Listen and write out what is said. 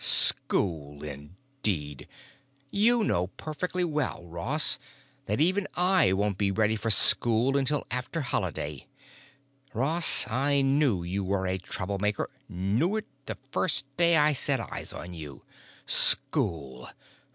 School, indeed! You know perfectly well, Ross, that even I won't be ready for school until after Holiday. Ross, I knew you were a troublemaker, knew it the first day I set eyes on you. School!